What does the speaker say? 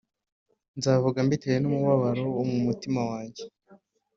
nzavuga mbitewe n’umubabaro wo mu mutima wanjye